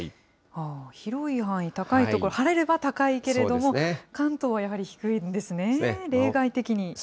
広い範囲、高い所、晴れれば高いけれども、関東はやはり低いんですね、例外的に。